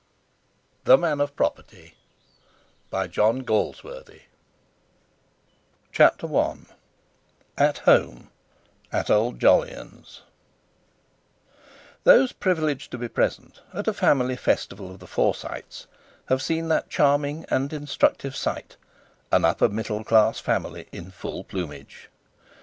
—Merchant of Venice. TO EDWARD GARNETT PART I CHAPTER I "AT HOME" AT OLD JOLYON'S Those privileged to be present at a family festival of the Forsytes have seen that charming and instructive sight—an upper middle class family in full plumage.